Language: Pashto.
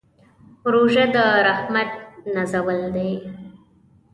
روژه د رحمت نزول دی.